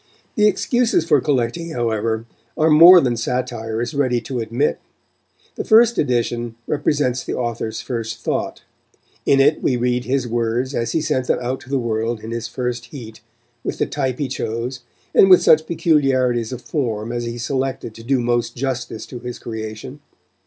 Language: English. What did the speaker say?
The excuses for collecting, however, are more than satire is ready to admit. The first edition represents the author's first thought; in it we read his words as he sent them out to the world in his first heat, with the type he chose, and with such peculiarities of form as he selected to do most justice to his creation.